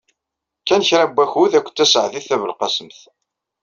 Kkan kra n wakud akked Taseɛdit Tabelqasemt.